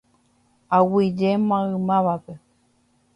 Aguyje maymávape.